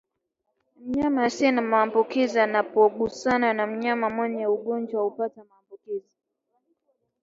Mnyama asiye na maambukizi anapogusana na mnyama mwenye ugonjwa hupata maambuziki